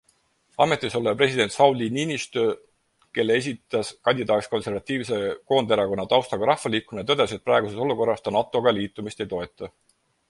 Ametisolev president Sauli Niinistö, kelle esitas kandidaadiks konservatiivse Koonderakonna taustaga rahvaliikumine, tõdes, et praeguses olukorras ta NATO-ga liitumist ei toeta.